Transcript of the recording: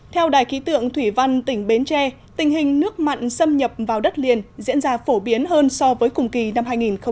theo đài ký tượng thủy văn tỉnh bến tre tình hình nước mặn xâm nhập vào đất liền diễn ra phổ biến hơn so với cùng kỳ năm hai nghìn một mươi tám